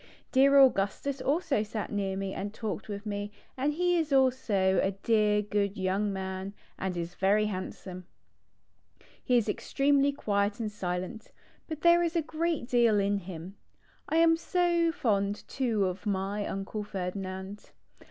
Dear Augustus also sat near me and talked with me and he is also a dear good young man, and is very handsome. He is ex tremely quiet and silent, but there is a great deal in him. 1 am so fond too of my Uncle Ferdinand.